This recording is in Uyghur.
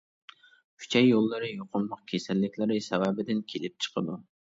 ئۈچەي يوللىرى يۇقۇملۇق كېسەللىكلىرى سەۋەبىدىن كېلىپ چىقىدۇ.